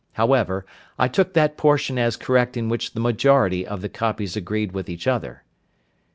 However, I took that portion as correct in which the majority of the copies agreed with each other."